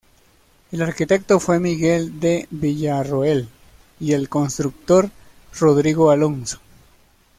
El arquitecto fue Miguel de Villarroel y el constructor Rodrigo Alonso.